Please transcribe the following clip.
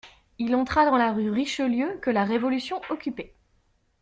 Il entra dans la rue Richelieu que la révolution occupait.